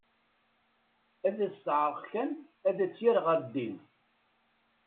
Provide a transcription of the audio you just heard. Ad as-teɛreq kan ad tt-yerr ɣer ddin.